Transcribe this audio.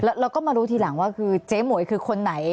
แล้วก็มารู้ทีหลังว่าคือเจ๊หมวยคือคนไหน